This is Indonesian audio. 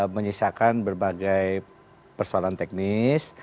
menyesakan berbagai persoalan teknis